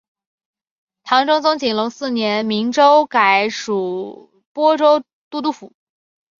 唐中宗景龙四年明州改属播州都督府。